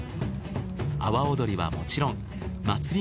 阿波おどりはもちろん祭り